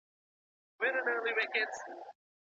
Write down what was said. الله تعالی له ظالمانو او خرڅوونکو څخه ناراضه دی.